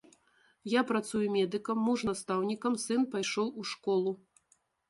Я працую медыкам, муж настаўнікам, сын пайшоў у школу.